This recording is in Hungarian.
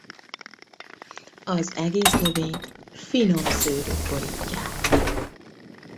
Az egész növényt finom szőrök borítják.